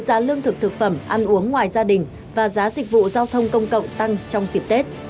giảm ăn uống ngoài gia đình và giá dịch vụ giao thông công cộng tăng trong dịp tết